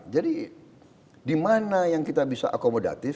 jadi di mana yang kita bisa akomodatif